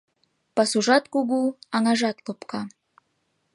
Пасужат кугу, аҥажат лопка